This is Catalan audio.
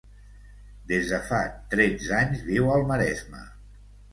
Des de fa tretze anys viu al Maresme.